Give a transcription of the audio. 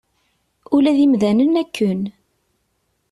Ula d imdanen akken.